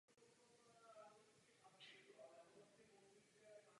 Od mládí miloval loutkové divadlo.